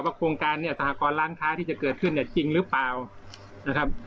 โครงการเนี่ยสหกรร้านค้าที่จะเกิดขึ้นเนี่ยจริงหรือเปล่านะครับ